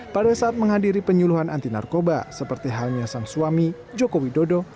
pada saat menghadiri penyuluhan anti narkoba seperti halnya sang suami joko widodo